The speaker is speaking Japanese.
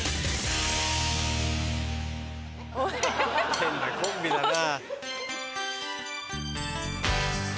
変なコンビだな。